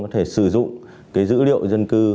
có thể sử dụng dữ liệu dân cư